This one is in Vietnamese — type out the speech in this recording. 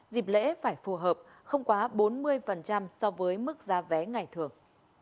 dịp lễ phải phù hợp không quá bốn mươi so với mức giá vé ngày thường